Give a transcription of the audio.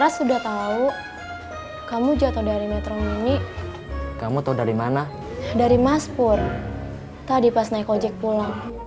pas sudah tahu kamu jatuh dari metro mini kamu tahu dari mana dari maspur tadi pas naik ojek pulang